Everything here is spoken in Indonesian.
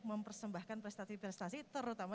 mempersembahkan prestasi prestasi terutama